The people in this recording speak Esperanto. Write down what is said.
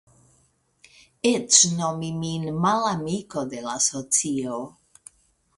Eĉ nomi min malamiko de la socio!